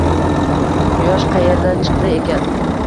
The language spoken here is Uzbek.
Quyosh qayerdan chiqdi ekan